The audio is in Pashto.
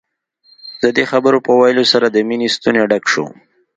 د دې خبرو په ويلو سره د مينې ستونی ډک شو.